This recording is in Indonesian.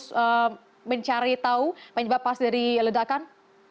masih terus mencari tahu menyebabkan apa dari ledakan